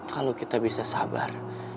kalau kita bisa sabar